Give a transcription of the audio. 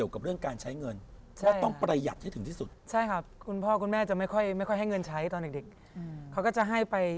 เขาก็จะให้ไป